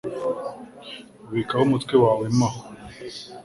Ubikaho umutwe wawe mo aho